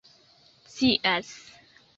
scias